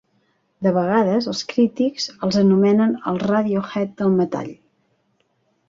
De vegades, els crítics els anomenen "els Radiohead del metall".